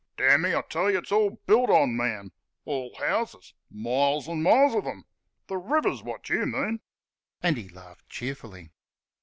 ... Damme, I tell y' it's all built on, man; all houses miles and miles of 'em. Th' river's wot you mean!" And he laughed cheerfully.